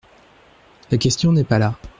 La question n’est pas là.